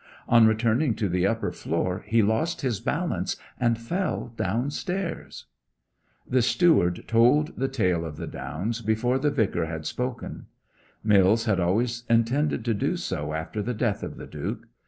On returning to the upper floor he lost his balance and fell downstairs.' The steward told the tale of the Down before the Vicar had spoken. Mills had always intended to do so after the death of the Duke.